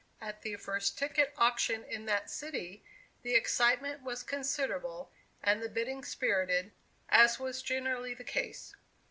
At the first ticket auction in that city, the excitement was considerable and the bidding spirited, as was generally the case.